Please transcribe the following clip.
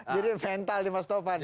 jadi mental di mas taufan ya